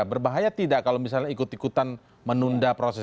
berbahaya tidak kalau misalnya ikut ikutan menunda proses